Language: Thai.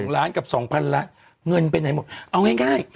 ๒ล้านกับ๒พันแล้วเงินมันเป็นไหนหมดเอาง่าย